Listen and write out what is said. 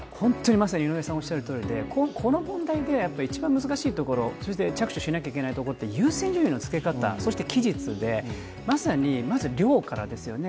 まさに井上さんおっしゃるとおりでこの問題で、一番難しいところ、そして着手しなくてはいけないところ、優先順位の付け方、そして期日でまさにまず量からですよね。